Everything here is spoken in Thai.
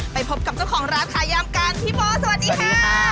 ไปพบกับเจ้าของร้านขายามกันพี่โบสวัสดีค่ะ